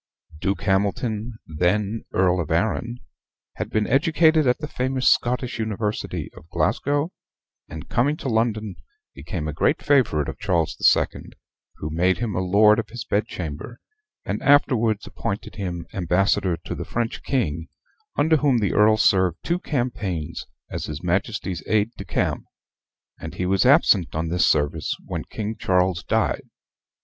Duke Hamilton, then Earl of Arran, had been educated at the famous Scottish university of Glasgow, and, coming to London, became a great favorite of Charles the Second, who made him a lord of his bedchamber, and afterwards appointed him ambassador to the French king, under whom the Earl served two campaigns as his Majesty's aide de camp; and he was absent on this service when King Charles died.